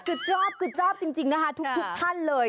สุดยอดจริงนะคะทุกท่านเลย